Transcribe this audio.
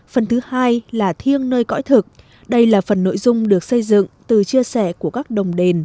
phần thứ hai là thiêng nơi cõi thực đây là phần nội dung được xây dựng từ chia sẻ của các đồng đền